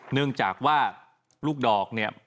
เนื่องจากว่าลูกดอกเนี่ย